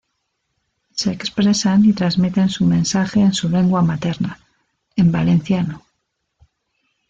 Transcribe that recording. Se expresan y transmiten su mensaje en su lengua materna, en valenciano.